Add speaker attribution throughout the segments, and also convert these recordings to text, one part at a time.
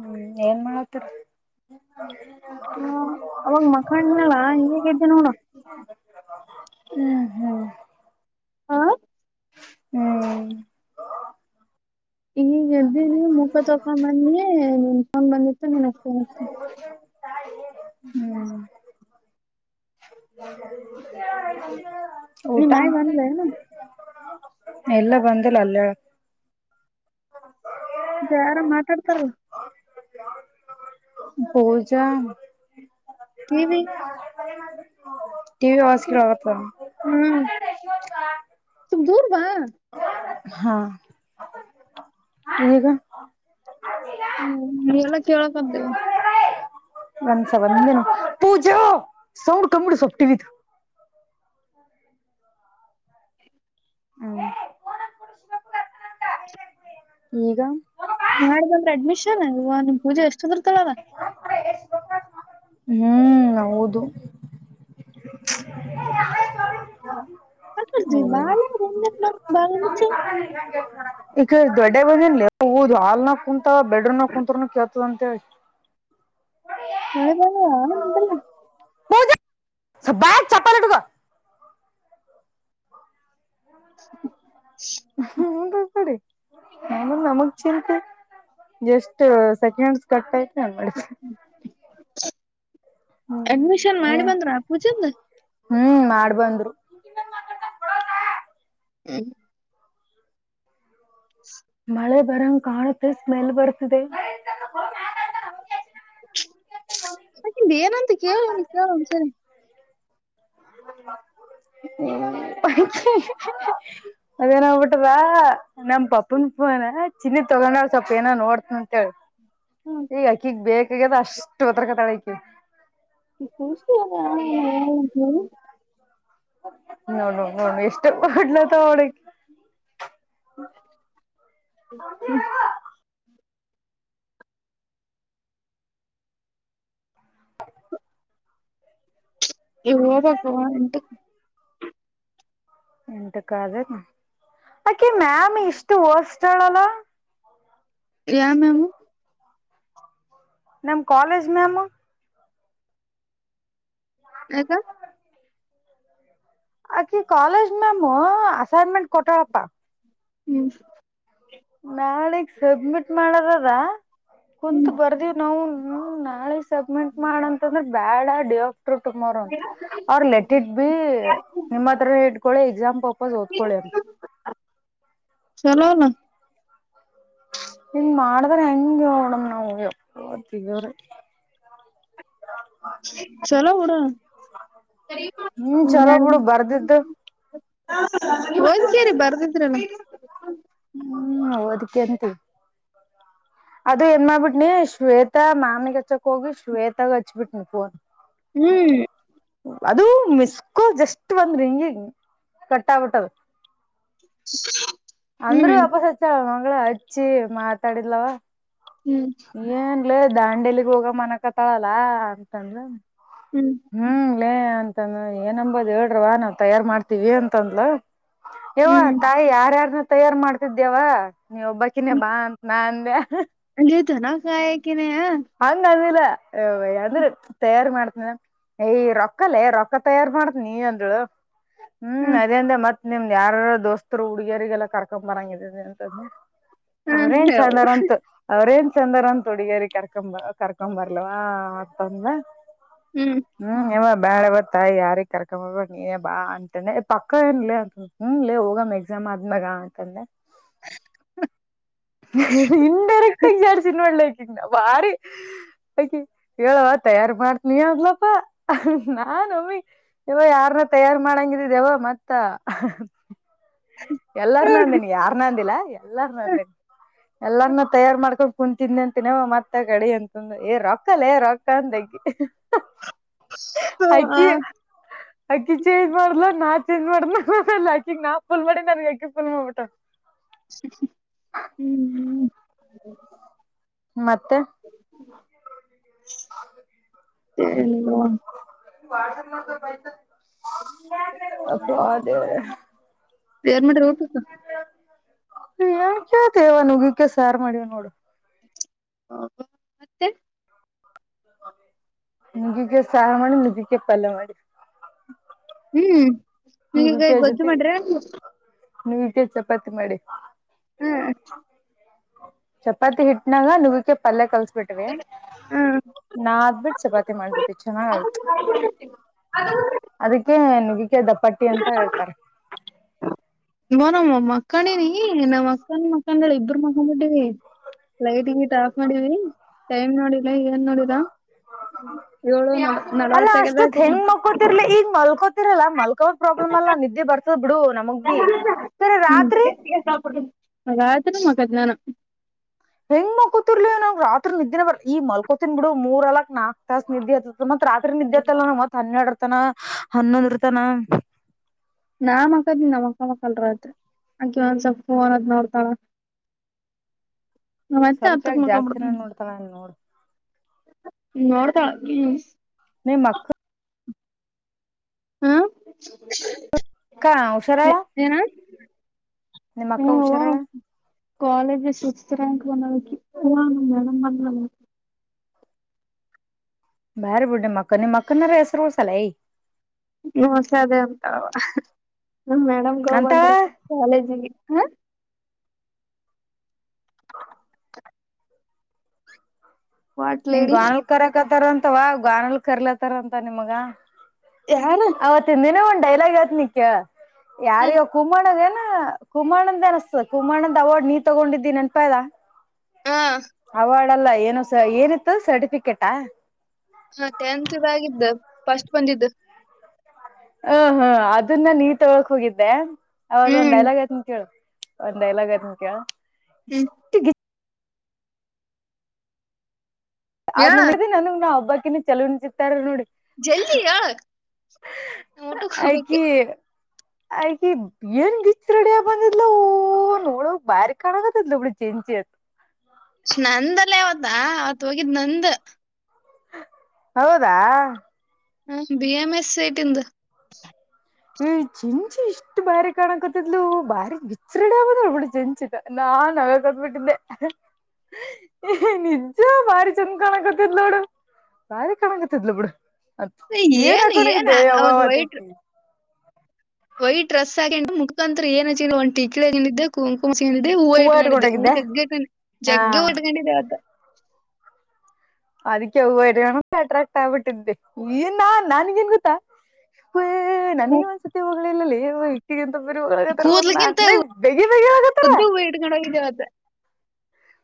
Speaker 1: ಹ್ಮ್ ಏನ್ ಮಾಡತರಿ
Speaker 2: ಹ ಅವಾಗ ಮಕಂಡನಲ್ಲ ಈಗ ಇದ್ದೀನಿ ನೋಡ
Speaker 1: ಹ್ಮ್ ಹ್ಮ್
Speaker 2: ಹಾ
Speaker 1: ಹ್ಮ್
Speaker 2: ಈಗ ಎದ್ದಿನೀ ಮುಖ ತಕೊಂಡ್ ಬಂದಿ ನಿನ್ ಫೋನ್ ಬಂದಿ [unintelligible]
Speaker 1: ಹ್ಮ್ [inaudible]
Speaker 2: ನಿಮ್ಮಾಯಿ ಬಂದ್ಲೇನು
Speaker 1: ಎಲ್ಲ ಬಂದಿಲ್ಲ ಅಲ್ಯಾಳ
Speaker 2: ಜ ಯಾರಾಮ ಮಾತಾಡ್ತಾರ
Speaker 1: ಪೂಜಾ [inaudible]
Speaker 2: ಟಿವಿ
Speaker 1: ಟಿ ವಿ ವಾಯ್ಸ್ ಕೆಳಕತ
Speaker 2: ಹ್ಮ್ ಸ್ವಲ್ಪ ದೂರ್ ಬಾ
Speaker 1: ಹಾ ಈಗ
Speaker 2: ಹ್ಮ್ ಎಲ್ಲ ಕೇಳಕ್ದ್ದೇವ
Speaker 1: ಬಂದ್ಸ ಬಂದೇನು ಪೂಜಾ ಸೌಂಡ್ ಕಮ್ಮಿ ಇಡು ಸ್ವಲ್ಪ ಟಿವಿ ದು [unintelligible]
Speaker 2: ನಾಳೆ ಬಂದ್ರೆ ಅಡ್ಮಿಷನ್ ಇವ ನಿಮ್ ಪೂಜೆ ಎಷ್ಟದರ್ತಳಲ್ಲ
Speaker 1: ಹ್ಮ್ಮ್ ಹೌದು [unintelligible] [unintelligible]
Speaker 2: ಬಾಳ ಬಾಳ
Speaker 1: ದ ಹಾಲ್ ನಾಗ ಕುಂತ ಬೆಡ್ರೂಮ್ ನ ಕುತ್ರನು ಕೇಳ್ತದ ಅಂತ ಹೇಳಿ
Speaker 2: ಮಳೆ ಬಲ್ಲ ನಿಂಬಲ್ಲಿ
Speaker 1: ಪೂಜಾ [unintelligible]
Speaker 2: [inaudible]
Speaker 1: ಹ ಹಂಗಕಡಿ ನಮದ್ ನಮಗ್ ಚಿಂತಿ ಜಸ್ಟ್ ಸೆಕೆಂಡ್ಸ್ ಕಟ್ಟ [unintelligible] ಮಾಡ್ರಿ
Speaker 2: ಹ್ಮ್ ಅಡ್ಮಿಷನ್ ಮಾಡಿ
Speaker 1: ಹ್ಮ್
Speaker 2: ಬಂದ್ರ ಆ ಪೂಜಂದ
Speaker 1: ಹ್ಮ್ ಮಾಡ್ ಬಂದ್ರು
Speaker 2: ಹ್ಮ
Speaker 1: ಮಳೆ ಬರಂಗ ಕಾಣತ್ತೆ ಸ್ಮೆಲ್ ಬರ್ತದೆ
Speaker 2: ಅಕಿಂದ್ ಏನಂತ ಕೇಳ ಕೆಳ ಓನ್ ಸರಿ
Speaker 1: ಅದೇನ್ ಆಗ್ ಬುಟ್ಟದ ನಮ್ ಪಪ್ಪನ್ ಪೂನ ಚಿನ್ನಿ ತೊಗೊಂಡಳ ಸ್ವಲ್ಪ ಏನ ನೋಡ್ತನ ಅಂತ ಹೇಳಿ ಈಗ ಅಕಿಗ್ ಬೇಕಾಗ್ಯದ ಅಷ್ಟ ಒದರ ಕತಾಳ [inaudible]
Speaker 2: [unintelligible] ಹೇಳಿ
Speaker 1: ನೋಡ ನೋಡ್ ಏಷ್ಟ ಹೊಡ್ಲಾತಾಳ ನೋಡ್ [inaudible]
Speaker 2: ಈಗ ಹೊಬೇಕ ಅವ ಎಂಟಕ
Speaker 1: ಎಂಟಕ ಆದ ಎನ್ ಆಕಿ ಮ್ಯಾಮ್ ಇಷ್ಟು ವಸ್ಟ್ಹಳ ಅಲಾ
Speaker 2: ಯ ಮ್ಯಾಮು
Speaker 1: ನಮ್ ಕಾಲೇಜ್ ಮ್ಯಾಮ್
Speaker 2: ಯಾಕಾ
Speaker 1: ಅಕಿ ಕಾಲೇಜ್ ಮ್ಯಾಮ ಅಸೈನ್ಮೆಂಟ್ ಕೊಟ್ಟಳಪ್ಪ
Speaker 2: ಹ್ಮೂ
Speaker 1: ನಾಳಿಗ್ ಸಬ್ಮಿಟ್ ಮಾಡದ ಅದಾ ಕುಂತ ಬರ್ದೇವ್ ನಾವು ನಾಳೆ ಸಬ್ಮಿಟ್ ಮಾಡಂತಂದ್ರ ಬ್ಯಾಡ ದೇವಪ್ ಆಫ್ಟರ ಟುಮಾರೊ ಅಂತ ಅವ್ರ ಲೆಟ್ ಇಟ್ ಬಿ ನಿಮ್ಮ ಹತ್ರ ಇಟ್ಕೊಳ್ಳಿ ಎಕ್ಸಾಮ್ ಪರ್ಪಸ್ ಓದ್ಕೊಳ್ಳಿ ಅಂತ
Speaker 2: ಚಲೋ ಅಲ್ಲ
Speaker 1: ಹಿಂಗ್ ಮಾಡದ್ರ ಹೆಂಗ ಹೇಳ್ ನೋಡಮ್ ನಾವ್ ಯಾಪಾ ದೇವರೇ
Speaker 2: ಚೊಲೋ ಬಿಡು
Speaker 1: ಹ್ಮ್
Speaker 2: ಒಂದ್
Speaker 1: ಚಲೋ
Speaker 2: ಎರಡ್
Speaker 1: ಬಿಡು
Speaker 2: ದಿನ
Speaker 1: ಬರ್ದಿದ್ದು
Speaker 2: ಒದ ಕೆರಿ ಬರ್ದಿದ್ರಲ
Speaker 1: ಹ್ಮ್ ಒದಕೆಂತಿವ್ ಅದು ಏನ್ ಮಾಡ್ಬಿಟ್ನಿ ಶ್ವೇತಾ ಮ್ಯಾಮಿಗ್ ಹಚ್ಚಕ್ ಹೋಗಿ ಶ್ವೇತಾಗ ಹಚ್ಬಿಟ್ನಿ ಫೋನ್
Speaker 2: ಹ್ಮ್
Speaker 1: ಅದು ಮಿಸ್ಕೋಲ್ ಜಸ್ಟ್ ಒಂದರಿಂಗೀಗ ಕಟ್ಟಗ್ ಬಿಟ್ಟದ
Speaker 2: [inaudible]
Speaker 1: ಅಂದ್ರ
Speaker 2: ಹ್ಮ್
Speaker 1: ವಾಪಸ್ ಹಚ್ಚಯಾಳ ಮಗಳ ಹಚ್ಚಿ ಮಾತಾಡಿದ್ಲವ
Speaker 2: ಹ್ಮ್
Speaker 1: ಲೆ ದಾಂಡೆಲಿಗ್ ಹೋಗಮ ಅನಕತಾಳ ಅಲಾ ಅಂತ ಅಂದ್ಲ ಹ್ಮ್ ಅಲ್ಲೇ ಅಂತಂದ ಏನಂಬೋದ ಹೇಳ್ರವಾ ನಾವ್ ತಯಾರ್ ಮಾಡ್ತೀವಿ ಅಂತಂದ್ಲ ಯವ್ವಾ
Speaker 2: ಹ್ಮ್
Speaker 1: ತಾಯಿ ಯಾರ ಯಾರನ್ ತಯಾರು ಮಾಡ್ತಿದ್ದ್ಯಾವ ನೀವ ಒಬ್ಬಕಿನೇ ಬಾ ಅಂತ ನಾ ಅಂದ್ಯ
Speaker 2: ಕ
Speaker 1: ಹಂಗ ಅಲ್ಲಿದ ಅ ಅಂದ್ರ ತಯಾರ ಮಾಡ್ತನಿ ಏ ರೊಕ್ಕಲ್ಲೇ ರೊಕ್ಕ ತಯಾರಿ ಮಾಡ್ತನೀ ಅಂದ್ಳ ಹ್ಮ್ ಅದೇ ಅಂದ ಮತ್ ನಿಮ್ದ ಯಾರ ದೋಸ್ತರು ಹುಡುಗರಿಗೆಲ್ಲ ಕರ್ಕೊ ಬರಂಗಿದೀನಿ ಅಂತ್ರೆ ಅವ್ರೇನ್ ಚಂದಾರ
Speaker 2: ಹ್ಮ್
Speaker 1: ಅಂತ ಅವ್ರೇನ್ ಚಂದರ ಅಂತ ಹುಡ್ಗೇರ್ ಕರ್ಕೊಂಬ ಕರ್ಕೊಂಬರ್ಲವಾ ಅಂತ ಅಂದ್ಲ ಹ್ಮ್ ಯವ್ವ ಬ್ಯಾಡವ ತಾಯಿ ಯಾರಿಗೆ ಕರ್ಕೊಂಡ್ ಬರ್ಬ್ಯಾಡ್ನೀ ನೀ ಬಾ ಅಂತಾ ಪಕ್ಕ ಏನ್ಲೇ ಅಂದ್ಲು ಹ್ಮ್ ಲೇ ಹೋಗಮ್ಮ್ ಎಕ್ಸಾಮ್ ಆದ್ಮ್ಯಾಗ ಅಂತಂದೆ
Speaker 2: ಹ
Speaker 1: ಇಂಡೈರೆಕ್ಟ್ ಆಗಿ ನಡ್ತಿ ನೋಡ್ಲೆ ನ ಭಾರಿ ಅಕಿ ಹೇಳವ ತಯಾರ್ ಮಾಡ್ತೀಯಾ ಅಂದ್ಲಪ ನಾನ ಒಮ್ಮಿ ಯವ ಯಾರನ್ನ ತಯಾರ್ ಮಾಡಂಗಿದಿದೇವ ಮತ್ತ ಹ ಹ ಹ ಎಲ್ಲಾರ್ ನಂದೇನಿ ಯಾರ್ನ ಅಂದಿಲ್ಲಾ ಎಲ್ಲಾರ್ ನಂದೇನಿ ಎಲ್ಲರ್ನ ತಯಾರು ಮಾಡ್ಕೊಂಡ ಕುಣ ತಿಂದಂತಿನವ ಮತ್ತ ಕಡಿ ಅಂತಂದು ಏ ರೊಕ್ಕಲ್ಲೇ ರೊಕ್ಕ ಅಂದಲಾಕಿ ಅಕೀ ಅಕಿ ಚೇಜ್ ಮಾಡಾರಲ ನಾ ಚ ಮಾಡಾಕಿ ನಾ ಫೂಲ್ ಮಾಡೀನಿ ನನ್ಗ ಅಕಿ ಫೂಲ್ ಮಾಡ್ಬಿಟ್ಟಾಳ
Speaker 2: ಹ್ಮ್
Speaker 1: ಮತ್ತೆ [inaudible]
Speaker 2: ಮತ್ತೇನ್ಲ್ವಾ
Speaker 1: [unintelligible] ಅಪ್ಪ ದೇವರೇ
Speaker 2: ಏನ್ ಮಾಡಿರಿ ಊಟಕ್ಕ
Speaker 1: ಏನ್ ಕೇಳ್ತಿಯವ ನುಗ್ಗಿ ಕಾಯಿ ಸಾರು ಮಾಡಿ ನೋಡು
Speaker 2: ಹಾ ಮತ್ತೆ
Speaker 1: ನುಗ್ಗೆಕಾಯಿಸಾರ ಮಾಡಿ ನುಗ್ಗೆಕಾಯಿ ಪಲ್ಯ ಮಾಡಿ
Speaker 2: ಹ್ಮ್ ನೀ ಈಗ ಗೊಜ್ಜು ಮಾಡ್ರಿ
Speaker 1: ನೀವಗ ಚಪಾತಿ ಮಾಡಿ
Speaker 2: ಹ್ಮ
Speaker 1: ಚಪಾತಿ ಹಿಟ್ಟನಾಗ ನುಗ್ಗಿಕಾಯಿ ಪಲ್ಯ ಕಲ್ಸ ಬಿಟ್ವಿ
Speaker 2: ಹ
Speaker 1: ನಾ ಅಬಿಟ್ಟ ಚಪಾತಿ ಮಾಡ್ಬಿಟ್ಟ ಚೆನ್ನಾಗಿ ಆಗಿತ್ತು
Speaker 2: [inaudible]
Speaker 1: ಕ್ಕೆ ನೀವ್ ಇದಕ್ಕೆ ದಪ್ಪ ಅಂತ ಹೇಳ್ತಾರೆ
Speaker 2: ಇ ನಮ್ಮ ಮಕ್ಕನಿನಿ ನಮ್ಮ್ ಅಕ್ಕನ್ ಮಕ್ಕಂದಳ ಇಬ್ಬರು ಮಾಕಂಬಿಟ್ಟಿವಿ ಬಿಟ್ಟಿವಿ ಲೈಟ್ ಗೀಟ್ ಆಫ್ ಮಾಡಿದವಿ ಟೈಮ್ ನೋಡಿಲ್ಲ ಏನ್ ನೋಡರ ಏಳು
Speaker 1: ಅಲ್ಲಾ
Speaker 2: ನಲವತ್ ಆಗ್ಯದ
Speaker 1: ರಲ್ಲ ಮಲ್ಕೋ್ ಪ್ರಾಬ್ಲಮ್ ಅಲ್ಲಾ ನಿದ್ದೆ ಬರ್ತದ್ ಬಿಡು ನಮಗ್ ಭ
Speaker 2: ಹ್ಮತ್ ಮ ದ್ಞಾನ
Speaker 1: ಹೆಂಗ್ ಮ ಕೂತಿರ್ಲಿ ನಾವ್ ರಾತ್ರಿ ನಿದ್ದೇ ಬರ ಈ ಮಲ್ಕೋತೀನ್ ಬಿಡು ಮೂರ್ ಅಲಕ್ ನಾಕ್ ತಾಸ ನ ನಿಿದ್ದೆ ಅ ರಾತ್ರಿ ನಿದ್ದೆತ್ತಲ್ಲ ನ ಮತ್ತತ್ ಹನ್ನೆರಡು ತನ ಹನ್ನೊಂದ್ರ ತನ
Speaker 2: ನಾ ಅಕ್ಕದ ನಮ್ಮ್ ಅಕ್ಕ ಮಕ್ಕಲ್ರತ್ ಅಕೆ ಒಂದ್ ಸ್ವಲ್ಪ ನ್ದ್ ನೋಡ್ತಾಳ ನಾ ಮತ್ತೆ
Speaker 1: ಸ್ವಲ್ಪ
Speaker 2: ಹತ್ತಕ್
Speaker 1: ಎಗ ಜಾಸ್ತಿನ
Speaker 2: ಮಕ್ಕೊಂಡ್ಬಿಡ್ತಾನ
Speaker 1: ನೋಡ್ತಾರ ನೋಡ್
Speaker 2: ನೋಡ್ತಾಳ ಹ್ಮ
Speaker 1: ನ ಮಕ್ಕ
Speaker 2: ಹಾ
Speaker 1: ಕಾ ಹುಷಾರಾವ
Speaker 2: ಏನ ಹ್ಮ
Speaker 1: ನಿಮ್ಮಕ್ಕ
Speaker 2: ಅವ್ವ
Speaker 1: ಹುಷಾರಳ
Speaker 2: ಕಾಲೇಜ್ ಸಿಕ್ಸ್ತ್ ರ್ಯಾಂಕ್ ಬಂದ ಹ ಮೇ ಬ
Speaker 1: ಬೇರೆ ಬುಡ್ಡೆ ಮಕ್ಕನ್ ಈ ಮಕ್ಕನಾರ ಹೆಸರುಸಲ್ಲ ಯ
Speaker 2: ಮ್ಮಸ ಅದೇ ಉಂತ ನ ಮೇಡಮ್ ಕ
Speaker 1: ಅಂತಳ
Speaker 2: ಬಂದ್ರ ಕಾಲೇಜಿಗೆ ಹಾ ವಾಟ್
Speaker 1: ನಿಂಗ್
Speaker 2: ಲೇಡಿ
Speaker 1: ಗಾನಲ್ ಕರಕತರಂತ ಇತವಾ ಗಾನಲ್ ಕರ್ಲತಾರ ಅಂತ ನಿಮ್ಗ
Speaker 2: ಯಾರ
Speaker 1: ಅವತ್ತ ದಿನ ಉಂಟ ಡೈಲಗ ಹೇಳ್ತೀನಿ ಕೇಳು
Speaker 2: ಹ
Speaker 1: ಯಾರಿಗೆ ಕುಮಣ್ಣ ಏನು ಕುಮಾನಂದ ಅನಿಸತದೆ ಕುಮಾನಂದ್ ಅವಾರ್ಡ್ ನೀ ತಗೊಂಡಿದ್ದಿ ನೆನ್ಪ ಇದದ ಅವ ಲ್ಲ ಏನು ಏನಿತ್ತು ಸರ್ಟಿಫಿಕೇಟಾ
Speaker 2: ಹಾ ಟೆಂತ್ ಇದಗಿದ್ದ ಫಸ್ಟ್ ಬಂದಿದ್ದ
Speaker 1: ಹಾ ಹ್ಮ ಅದನ್ನ ನೀ ತೊಗಕ್ ಹೋಗಿದ್ದೆ ಅವೌದ ಒಂದು
Speaker 2: ಹ್ಮ್
Speaker 1: ಡೈಲಾಗ್ ಆಯತ ಅಂತ ಕೇಳು ಒಂದ ಡೈಲಾಗದ ಹೇಳತನಕೆಳ
Speaker 2: ಹ್ಮ್
Speaker 1: ಎಷ್ಟು ಗಿ ಅ
Speaker 2: ಹೇಳ
Speaker 1: ನನ್ ನಗ್ ನಾ ಹಬ್ಬ ಚಲೋ ಚಿತ್ತಾರ ನೋಡಿ
Speaker 2: ಜಲ್ದಿ ಯ ನಾ ಊಟಕ್ಕೆ ಹೋಗಬೇಕ
Speaker 1: ಆಗಿ ಬ ಏನ್ ಬಿಚ್ ರೆಡಿಯ ಬಂದಿದ್ಲ ಓ ನೋಡ ಬಾರಿ ಕಾಣಗತ್ತಿದ್ಲಳ ಜೆಂಚಿತ್
Speaker 2: ನಂದಲ್ಲೇ ಅವ ವತ್ತಾ ಅವತ್ ಹೋಗಿದ್ ನಂದ
Speaker 1: ಹೌದಾ
Speaker 2: ಹ ಬಿಿ ಎಂ ಎಸ್ಐಟ್ಂದು
Speaker 1: ಚಿಚಿ ಎಷ್ಟು ಬಾರಿ ಕಾಣಕೊತ್ತಿದ್ಲು ಬಾರಿ ಬಿಚ್ಚ ರಡಿ ಆಗದ ನೋಡ್ ಬಿಡ ಜಂಚಿತ ನಾನ್ ಅವ ನಗಾಕತಬಿಟ್ಟಿದ್ದೆ ಏ ನಿಜ ಬಾರಿ ಚಂದ ಕಾಣಕತ್ತಿದ್ಲು ನೋಡು ಬಾರಿ ಕಾಣಕೊತ್ತಿದ್ಲು ಬಿಡು ಇ ಎನ
Speaker 2: ಏನ್ ಏನ್
Speaker 1: ಹಾಕೋಂಡಣಗೆದ್ದ ಎವಾ
Speaker 2: ಅವದ್
Speaker 1: ಅವತಿ
Speaker 2: ವೈಟ್ ವೈಟ್ ಡ್ರಸ್ ಹಾಕೆ ಮುಖಾಂತ್ರ ಏನ ಚಿಲ್ಲ ಒ ಟಿಳನಿದ್ದೆ ಕುಂಕುಮ್ಏನ ಇದೆ ಹೂವು
Speaker 1: ಹೂವ
Speaker 2: ಇಟ್ಕೊಂಡಿದ್ದಿದೆ ಹೂವು
Speaker 1: ಇಟ್ಕೊಂಡೋಗಿದ್ದೆ
Speaker 2: ಜಗ್ಗ ಇ
Speaker 1: ಹಾ
Speaker 2: ಜಗ್ಗ ಉ ಇಟ್ಕೊಂಡಿದೆೆ ಅವತ
Speaker 1: ಅದಕ್ಕೆವು ಅಟ್ರಾಕ್ಟ್ ಆಗ್ಬಿಟ್ಟಿದ್ದೆ ಈ ನಾ ನನ್ಗೇನ್ ಗೊತ್ತಾ ಹ ನನಗೆ
Speaker 2: ಕೂ-
Speaker 1: ಒಂದ್ ಸತಿ [inaudible] ಲ್ಲ
Speaker 2: ಕೂದ್ಲಕ್ಕಿಂತ
Speaker 1: ಬೇಗಿ ಬೇಗಿ ಆಗತಾರ
Speaker 2: ಉದ್ದು ಹೂವ ಇಟ್ಕೊಂಡ್ ಹೋಗಿದ್ದೆ ಅವತ್ತ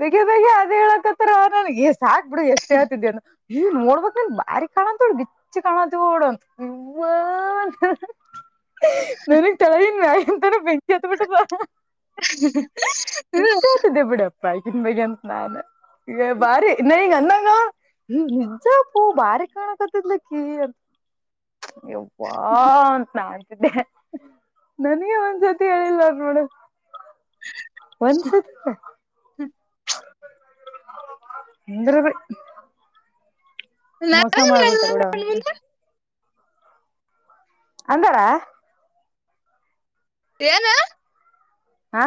Speaker 1: ಬೇಗ ಬೇಗ ಅದ ಹೇಳಕತ್ರ ನನಗೆ ಎಷ್ಟ ಸಾಕ್ಬ ಬಿಡು ಎಷ್ಟೇ ಹೇಳತಿದನ ಹ ನೋಡ್ಬೇಕಕ್ ನನ್ ಭಾರಿ ಕಾಣ ತೋ ಗಿಚ್ಚ ಕಣಾಂತೋಡ ಹ ಏವ್ವಾ ನನ್ಗ್ ತಳಗಿಂದ ಮ್ಯಾಗಿಂದ್ ಎಂತ ಬೆಂಕಿಹತ್ ಬಿಟ್ಟದ
Speaker 2: [inaudible]
Speaker 1: ಬೈಕನ್ ಬೇಗ ಅಂತ ನಾನ್ ಈಗ ಬಾರಿ ಇನ್ನ ಈಗ ಅನ್ನಂಗ ಈ ನಿಜಾ ಪೂ ಬಾರಿ ಕಾಣಕತ್ತಿದ್ಲಕ್ಕಿ ಅಂತ ಯಾವ್ವ ನ ಬತ್ ನಾನ ನನ್ಗೆ ಒಂದ್ಸತಿ ಹೇಳಿಲ್ಲ ಅವರು ನೋಡು ವಂಶದ ಅಂದರೆ ಬಿ
Speaker 2: ನಾ
Speaker 1: ಮೋಸ ಮಾಡಾರಬಟ್ಟ ಬಿಡ ಅಂತಾರ
Speaker 2: ಏನು
Speaker 1: ಹಾ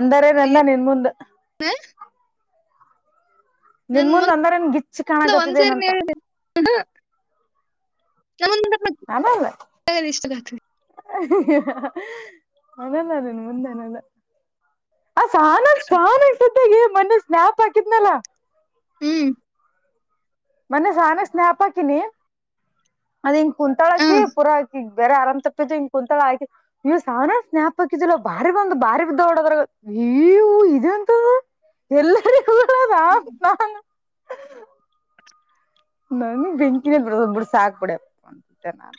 Speaker 1: ಅಂದರೆದಂದ ನಿನ್ ಮುಂದೆ
Speaker 2: ಹ
Speaker 1: ನಿನ್ ಮುಂದ್ ಅಂದಾರನ್ ಗಿಚ್ಚ ಕಾಣಾಗತ್ತಿದ
Speaker 2: ಒಂದ್ಸೇರಿ ನೀ
Speaker 1: ಏನಂತ
Speaker 2: ಹೇಳಿದೆ ನ ಇಷ್ಟು
Speaker 1: ಅನಲ್ಲ ನಿನ್ನ ಮುಂದೆ ಅನಲ್ಲ ಅ ಸನಸ್ [inaudible] ಮೊನ್ನೆ ಸ್ನಾಪ ಹಾಕಿದ್ನಲ್ಲ
Speaker 2: ಹ್ಮ್
Speaker 1: ಮೊನ್ನೆ ನಾನೇ ಸ್ನ್ಯಾಪ್ ಹಾಕಿನೀ ಅದ್ಹೇಗೆ ಕುಂತಳಹಾಕಿ
Speaker 2: ಹ್ಮ್
Speaker 1: ಪುರ ಬೇರೆ ಅರಾಮ್ ತಪ್ಪಿದ್ದ ಹ ಕುಂತಳ ಆಯ್ತಿ ನೀವ್ ಸಾನ ಸ್ನ್ಯಾಪ್ ಹಾಕಿದಿಲ್ಲ ಬಾರಿ ಬಂದ್ ಬಾರಿ ಬಿದ್ದ ಹೊಡದ್ರ ಇವುಇದು ಎಂತದ ಎಲ್ಲರಿಗೂ ನಾನು ನನ್ ಬೆಂಕಿನೇ ಬಿಡು ಸಾಕ್ಬಡಪ್ಪ ಅಂದೇ ನಾನು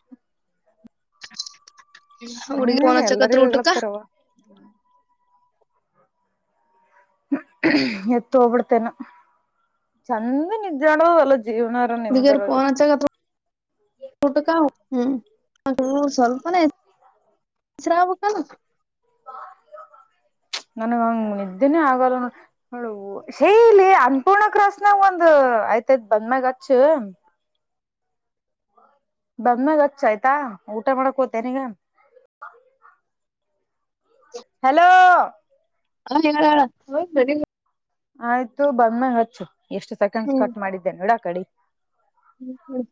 Speaker 2: ಹ ಹುಡುಗ್ರು ಫೋನ್
Speaker 1: ಹ್ಮನ್
Speaker 2: ಹಚ್ಚಕತರ
Speaker 1: ಎಲ್ಲರಿಗೂ
Speaker 2: ಉಟ್ಟಕ
Speaker 1: ಹೇಳತಾರವ [unintelligible] ಎತ್ತು ಹೋಗ್ಬಿಡ್ತೀನೋ ಚಂದ ನಿಜ್ರಾಲೋ
Speaker 2: ಹುಡುಗಿಯರು ಫೋನ್ ಹಚ್ಚವ ಸ್ವಲ್ಪನೆ ಶ್ರಾವಕ್ಕ
Speaker 1: ನನ್ಗಂಗ ನಿದ್ದೆನೇ ಆಗಲ್ಲ ಹೇ ಲೇ ಅನ್ನಪೂರ್ಣ ಕ್ರಾಸ್ನಾಗ ಒಂದ್ ಆಯ್ತಯ್ತ್ ಬಂದ್ಮ್ಯಾಗಚ್ಚ ಬಂದ್ಮಾಗ ಹಚ್ಚ ಆಯ್ತಾ ಊಟ ಮಾಡಕ್ ಹೋತನಿಗ ಹಲೋ
Speaker 2: ಹಾ ಹೇಳು
Speaker 1: ಆಯ್ತು ಬಂದ್ಮೇ ಹಚ್ಚು ಎಷ್ಟು ಸೆಕೆಂಡ್ಸ್ ಕಟ್ ಮಾಡಿದ್ದೇ ನೋಡಾಕಡೆ
Speaker 2: ಹ್ಮ್ ಹ್ಮ